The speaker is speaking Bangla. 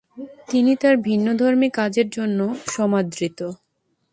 তিনি তার ভিন্নধর্মী কাজের জন্য সমাদৃত।